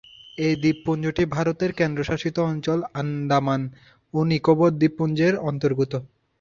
এই দ্বীপপুঞ্জটি ভারতের কেন্দ্রশাসিত অঞ্চল আন্দামান ও নিকোবর দ্বীপপুঞ্জ এর অন্তর্গত।